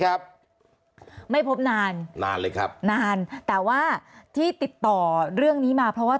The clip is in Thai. ครับไม่พบนานนานเลยครับนานแต่ว่าที่ติดต่อเรื่องนี้มาเพราะว่า